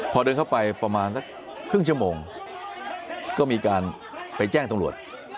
พอเดินเข้าไปประมาณสักครึ่งชั่วโมงก็มีการไปแจ้งตำรวจ